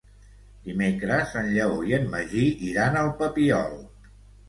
Dimecres en Lleó i en Magí iran al Papiol.